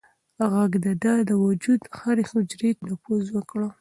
غږ د ده د وجود هرې حجرې ته نفوذ وکړ.